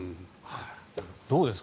どうですか？